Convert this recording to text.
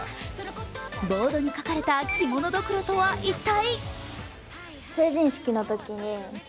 ボードに書かれた着物ドクロとは一体？